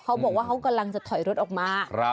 เขาบอกว่าเขากำลังจะถอยรถออกมา